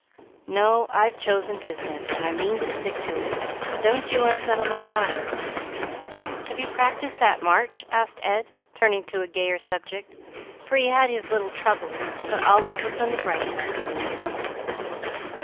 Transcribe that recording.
"No; I've chosen business, and I mean to stick to it, so don't you unsettle my mind. Have you practised that March?" asked Ed, turning to a gayer subject, for he had his little troubles, but always looked on the bright side of things.